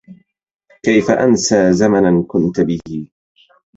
كيف أنسى زمناً كنت به